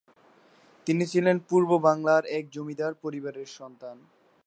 তিনি ছিলেন পূর্ববাংলার এক জমিদার পরিবারের সন্তান।